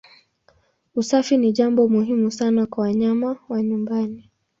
Usafi ni jambo muhimu sana kwa wanyama wa nyumbani.